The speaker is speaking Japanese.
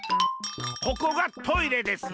ここがトイレです。